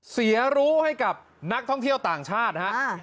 เสียรู้ให้กับนักท่องเที่ยวต่างชาตินะฮะ